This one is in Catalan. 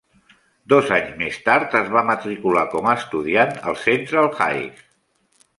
Dos anys més tard, es va matricular com a estudiant al Central High.